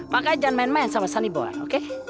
makanya jangan main main sama sani boy oke